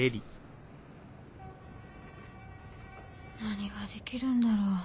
何ができるんだろう